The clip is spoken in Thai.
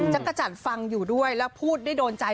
จักรจันทร์ฟังอยู่ด้วยแล้วพูดได้โดนใจ